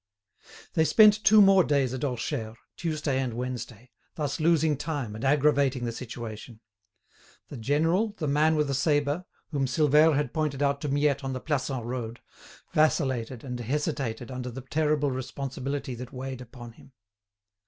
They spent two more days at Orcheres, Tuesday and Wednesday, thus losing time and aggravating the situation. The general, the man with the sabre, whom Silvère had pointed out to Miette on the Plassans road, vacillated and hesitated under the terrible responsibility that weighed upon him.